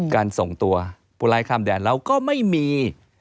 การส่งตัวปูไรข้ามแดนเราก็ไม่มี